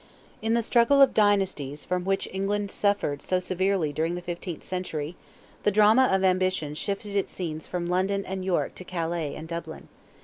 In the struggle of dynasties from which England suffered so severely during the fifteenth century, the drama of ambition shifted its scenes from London and York to Calais and Dublin.